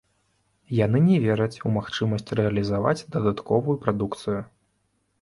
Яны не вераць у магчымасць рэалізаваць дадатковую прадукцыю.